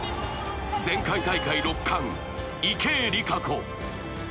前回大会６冠、池江璃花子。